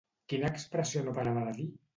Quina expressió no parava de dir?